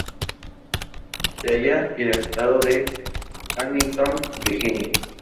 Se halla en el condado de Arlington, Virginia.